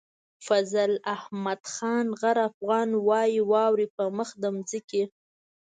فضل احمد خان غر افغان وايي واورئ په مخ د ځمکې.